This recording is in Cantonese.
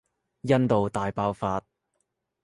印度大爆發